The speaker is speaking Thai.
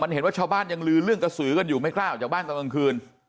เห็นว่าชาวบ้านยังลือเรื่องกระสือกันอยู่ไม่กล้าออกจากบ้านตอนกลางคืน